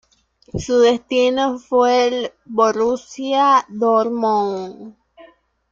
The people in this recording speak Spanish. Su destino fue el Borussia Dortmund.